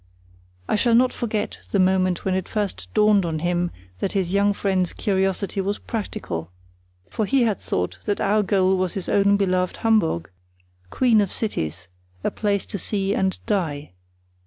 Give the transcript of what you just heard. I shall not forget the moment when it first dawned on him that his young friend's curiosity was practical; for he had thought that our goal was his own beloved Hamburg, queen of cities, a place to see and die.